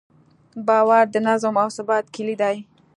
باور د نظم او ثبات کیلي ده.